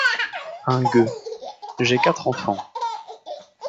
Un gueux. — J’ai quatre enfants…